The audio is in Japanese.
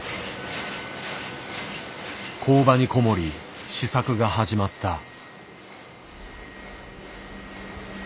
工場にこもり試作が始まった。